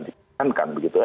dikarenakan gitu ya